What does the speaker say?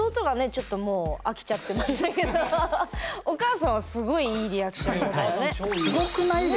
ちょっともう飽きちゃってましたけどお母さんはすごいいいリアクションだったね。